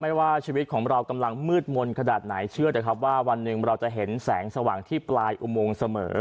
ว่าชีวิตของเรากำลังมืดมนต์ขนาดไหนเชื่อแต่ครับว่าวันหนึ่งเราจะเห็นแสงสว่างที่ปลายอุโมงเสมอ